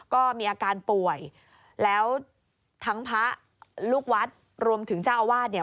ก็มีอาการป่วยแล้วทั้งพระลูกวัดรวมถึงเจ้าอาวาสเนี่ย